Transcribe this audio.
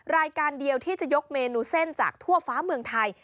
รายการเดียวที่จะยกเมนูเส้นจากทั่วฟ้าเมืองไทย